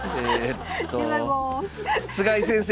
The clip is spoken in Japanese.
菅井先生。